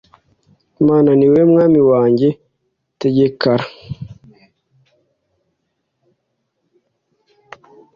mana ni wowe mwami wanjye tegekera